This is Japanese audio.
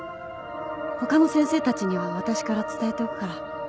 他の先生たちには私から伝えておくから。